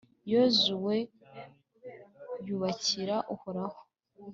yozuwe yubakira uhoraho